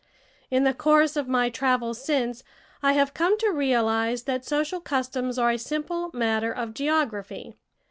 In the course of my travels since, I have come to realize that social customs are a simple matter of geography!